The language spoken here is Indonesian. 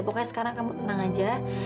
pokoknya sekarang kamu tenang aja